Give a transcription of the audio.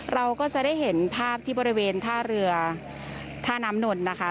เราก็จะได้เห็นภาพที่บริเวณท่าเรือท่าน้ำนนนะคะ